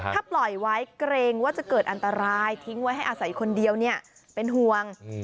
ถ้าปล่อยไว้เกรงว่าจะเกิดอันตรายทิ้งไว้ให้อาศัยคนเดียวเนี่ยเป็นห่วง